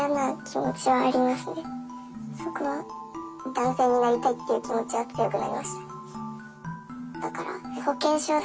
男性になりたいっていう気持ちは強くなりました。